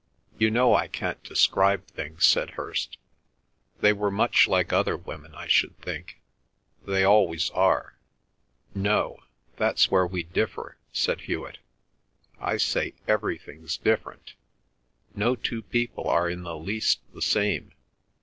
"You know I can't describe things!" said Hirst. "They were much like other women, I should think. They always are." "No; that's where we differ," said Hewet. "I say everything's different. No two people are in the least the same.